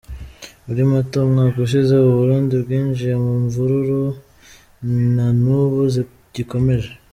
Muri Mata umwaka ushize u Burundi bwinjiye mu imvururu, nan’ubu zigikomeje.